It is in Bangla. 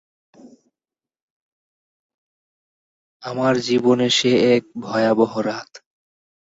আমার জীবনে সে এক ভয়াবহ রাত।